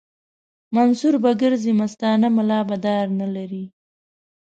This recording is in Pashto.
منصور به ګرځي مستانه ملا به دار نه لري